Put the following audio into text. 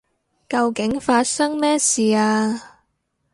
究竟發生咩事啊？